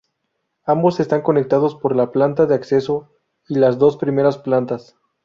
Ambos están conectados por la planta de acceso y las dos primeras plantas.